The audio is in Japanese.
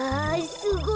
すごい。